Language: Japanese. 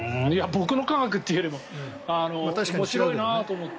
僕の科学というよりも面白いなと思って。